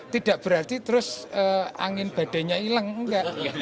tidak berarti terus angin badainya hilang enggak